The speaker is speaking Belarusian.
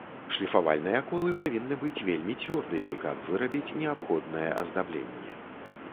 Шліфавальныя колы павінны быць вельмі цвёрдымі, каб вырабіць неабходнае аздабленне.